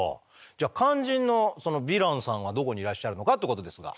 じゃあ肝心のそのヴィランさんはどこにいらっしゃるのかってことですが。